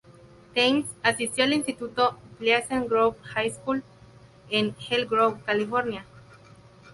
Thames asistió al instituto "Pleasant Grove High School" en Elk Grove, California.